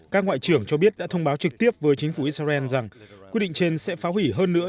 các ngoại trưởng cho biết đã thông báo trực tiếp với chính phủ israel rằng quyết định trên sẽ phá hủy hơn nữa